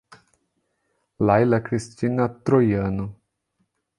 Laila Cristina Troiano